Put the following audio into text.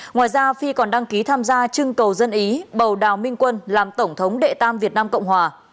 ngoài ra phi còn đăng ký tham gia trưng cầu dân ý bầu đào minh quân làm tổng thống đệ tam việt nam cộng hòa